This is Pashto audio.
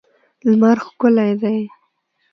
لمر ښکلی دی.